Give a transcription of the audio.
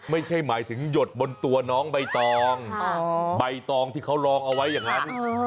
ไม่ใช่หมายถึงหยดบนตัวน้องใบตองใบตองที่เขาลองเอาไว้อย่างนั้น